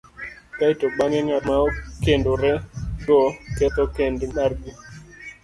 kae to bang'e ng'at ma okendorego ketho kend margi,